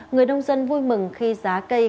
người đông dân vui mừng khi giá cây